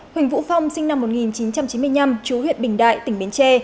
huỳnh vũ phong sinh năm một nghìn chín trăm chín mươi năm chú huyện bình đại tỉnh bến tre